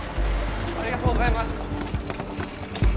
ありがとうございます。